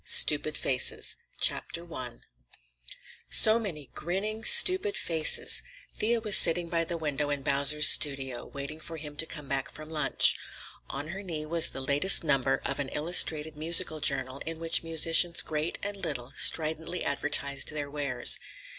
STUPID FACES I So many grinning, stupid faces! Thea was sitting by the window in Bowers's studio, waiting for him to come back from lunch. On her knee was the latest number of an illustrated musical journal in which musicians great and little stridently advertised their wares.